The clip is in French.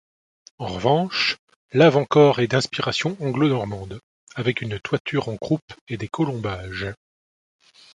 En revanche, l'avant-corps est d’inspiration anglo-normande, avec une toiture en croupe et des colombages.